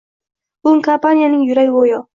bu kompaniyaning yuragi goʻyo.